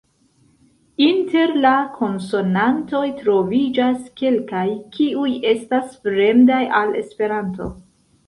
Inter la konsonantoj troviĝas kelkaj, kiuj estas fremdaj al esperanto.